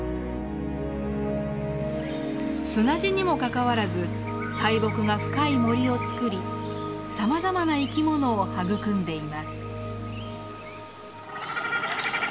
砂地にもかかわらず大木が深い森を作りさまざまな生き物を育んでいます。